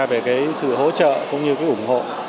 về cái sự hỗ trợ cũng như cái ủng hộ